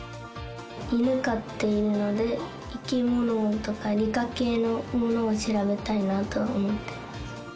犬飼っているので、生き物とか理科系のものを調べたいなと思ってます。